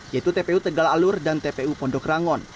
yaitu tpu tegal alur dan tpu pondok rangon